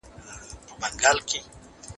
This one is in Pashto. کېدای سي وخت کم وي،